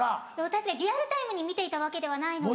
私はリアルタイムに見ていたわけではないので。